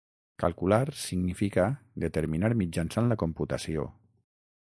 "Calcular" significa determinar mitjançant la computació.